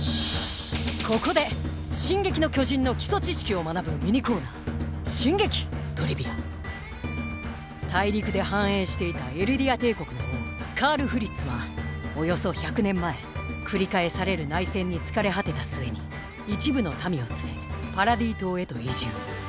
ここで「進撃の巨人」の基礎知識を学ぶミニコーナー大陸で繁栄していたエルディア帝国の王カール・フリッツはおよそ１００年前繰り返される内戦に疲れ果てた末に一部の民を連れパラディ島へと移住。